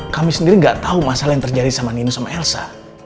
kami sendiri gak tahu masalah yang terjadi sama nino sama elsa